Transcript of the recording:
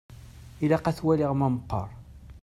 Ilaq ad t-waliɣ ma meqqer.